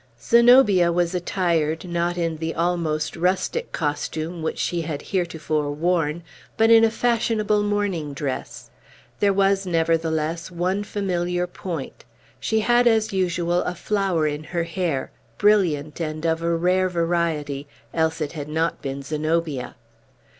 Zenobia was attired, not in the almost rustic costume which she had heretofore worn, but in a fashionable morning dress. There was, nevertheless, one familiar point. She had, as usual, a flower in her hair, brilliant and of a rare variety, else it had not been Zenobia.